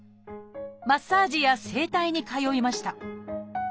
マッサージや整体に通いました。